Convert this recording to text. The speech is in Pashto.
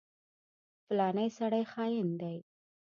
فلانی سړی خاين دی.